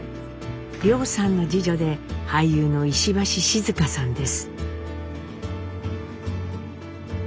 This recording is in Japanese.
凌さんの次女で俳優の石橋静河さんです。